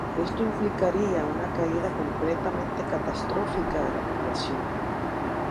Esto implicaría una caída completamente catastrófica de la población.